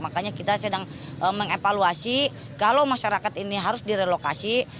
makanya kita sedang mengevaluasi kalau masyarakat ini harus direlokasi